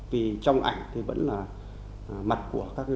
vì trong ảnh thì vẫn là mặt của các đối tượng